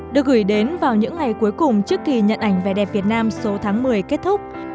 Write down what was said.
được gửi đến vào những ngày cuối cùng trước kỳ nhận ảnh vẻ đẹp việt nam số tháng một mươi kết thúc